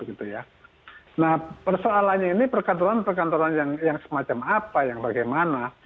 nah persoalannya ini perkantoran perkantoran yang semacam apa yang bagaimana